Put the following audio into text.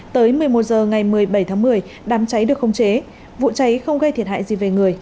tới một mươi một h ngày một mươi bảy tháng một mươi đám cháy được không chế vụ cháy không gây thiệt hại gì về người